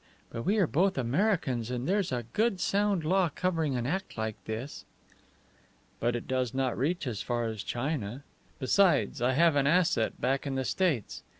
But we are both Americans, and there's a good sound law covering an act like this." "But it does not reach as far as China. Besides, I have an asset back in the States.